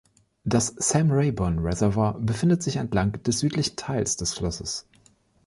Das Sam Rayburn Reservoir befindet sich entlang des südlichen Teils des Flusses.